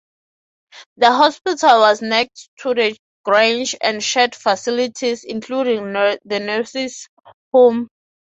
The hospital was next to the Grange and shared facilities, including the nurses' home.